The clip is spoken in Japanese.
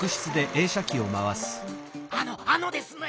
「あのあのですね」。